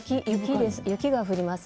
雪が降ります。